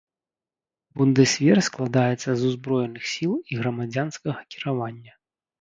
Бундэсвер складаецца з узброеных сіл і грамадзянскага кіравання.